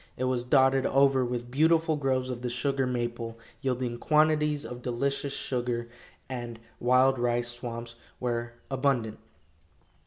It was dotted over with beautiful groves of the sugar maple, yielding quantities of delicious sugar, and wild rice swamps were abundant.